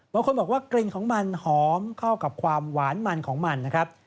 บางคนบอกว่ากลิ่นของมันหอมเข้ากับความหวานมันของมันนะครับ